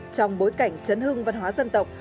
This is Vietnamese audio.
trong bối cảnh chấn hương văn hóa dân tộc